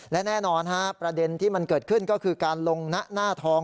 และแน่นอนประเด็นที่มันเกิดขึ้นก็คือการลงหน้าทอง